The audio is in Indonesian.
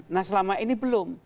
nah selama ini belum